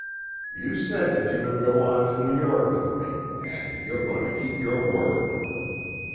You said that you would go on to New York with me, and you're going to keep your word."